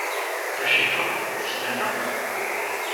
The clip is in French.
De chez toi ? si matin ?